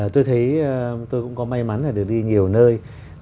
tôi thấy tôi cũng có may mắn là được đi nhiều nơi